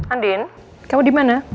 andin kamu di mana